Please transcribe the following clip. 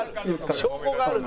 証拠があるって。